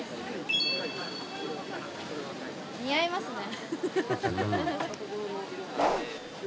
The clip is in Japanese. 似合いますね。